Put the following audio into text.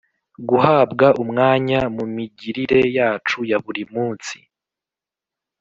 guhabwa umwanya mu migirire yacu ya buri munsi.